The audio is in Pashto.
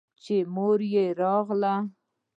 چې مور يې راغله.